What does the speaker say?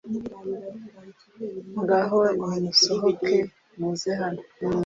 Ngaho nimusohoke muze hano